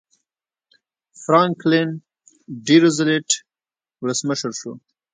فرانکلن ډي روزولټ ولسمشر شو.